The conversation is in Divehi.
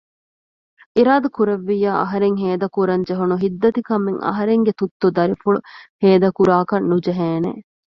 އިރާދަކުރެއްވިއްޔާ އަހަރެން ހޭދަ ކުރަން ޖެހުނު ހިއްތަދިކަމެއް އަހަރެންގެ ތުއްތު ދަރިފުޅު ހޭދަ ކުރާކަށް ނުޖެހޭނެ